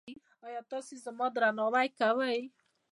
ایا تاسو زما درناوی کوئ؟